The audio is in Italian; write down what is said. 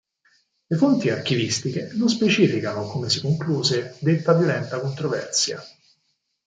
Le fonti archivistiche non specificano come si concluse detta violenta controversia.